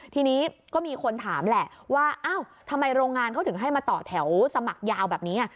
ทีนี้ก็มีคนถามแหละว่าอ้าวทำไมโรงงานเขาถึงให้มาต่อแถวสมัครยาวแบบนี้